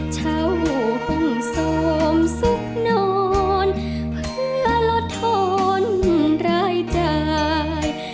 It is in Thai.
เช้าห่วงสมสุขนอนเพื่อลดทนรายใจ